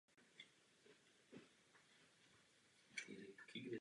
Byla vydána jako čtvrtý singl z alba.